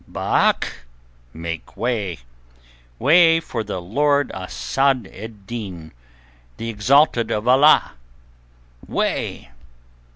"Balâk! Make way! Way for the Lord Asad ed Din, the exalted of Allah! Way!"